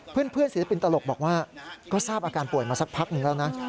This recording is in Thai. เพื่อนศิลปินตลกบอกว่าก็ทราบอาการป่วยมาสักพักหนึ่งแล้วนะ